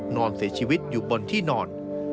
นอนเสียชีวิตอยู่บนที่นอน